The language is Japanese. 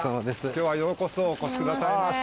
今日はようこそお越しくださいました。